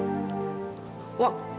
jadi adiknya masih ada di jakarta